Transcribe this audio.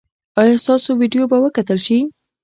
ایا ستاسو ویډیو به وکتل شي؟